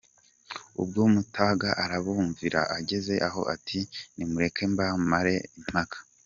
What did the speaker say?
Ubwo Mutaga arabumvira, ageze aho ati “Nimureke mbamare impaka.